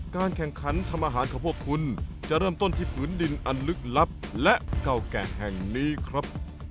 การแข่งขันทำอาหารของพวกคุณจะเริ่มต้นที่ผืนดินอันลึกลับและเก่าแก่แห่งนี้ครับ